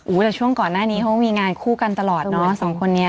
แต่ช่วงก่อนหน้านี้เขามีงานคู่กันตลอดเนอะสองคนนี้